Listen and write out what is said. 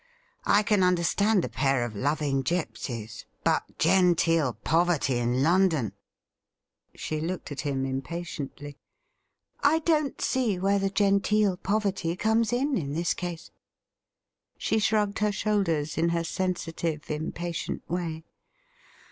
I can understand a pair of loving gipsies ; but genteel poverty in London !' She looked at him impatiently. ' I don't see where the genteel poverty comes in in this case.' She shrugged her shoulders in her sensitive, impatient way.